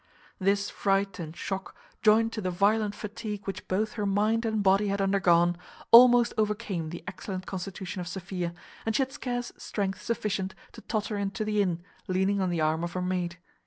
This fright and shock, joined to the violent fatigue which both her mind and body had undergone, almost overcame the excellent constitution of Sophia, and she had scarce strength sufficient to totter into the inn, leaning on the arm of her maid.